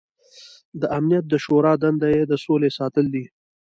د امنیت د شورا دنده د سولې ساتل دي.